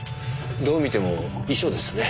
どう見ても遺書ですね。